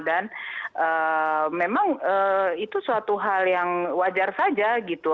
dan memang itu suatu hal yang wajar saja gitu